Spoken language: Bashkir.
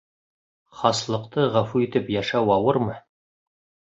Хаслыҡты ғәфү итеп йәшәү ауырмы?